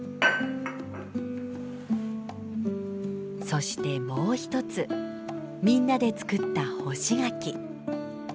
そしてもう一つみんなで作った干し柿。